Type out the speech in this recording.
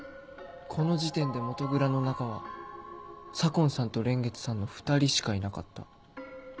この時点で元蔵の中は左紺さんと蓮月さんの２人しかいなかった。